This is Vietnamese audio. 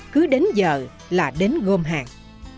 cứ đến giờ là đến gom hàng